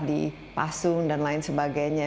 di pasung dan lain sebagainya